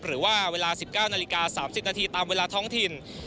หรือว่าเวลา๑๙นาฬิกา๓๐นาทีตามเวลาท้องถิ่น